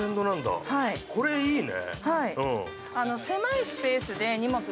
これいいな。